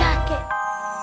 kau sudah mendapatkannya